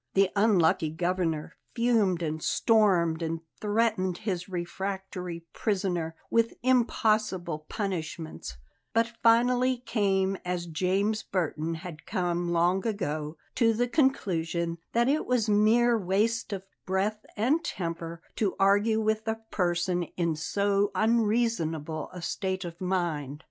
The unlucky Governor fumed and stormed and threatened his refractory prisoner with impossible punishments; but finally came, as James Burton had come long ago, to the conclusion that it was mere waste of breath and temper to argue with a person in so unreasonable a state of mind.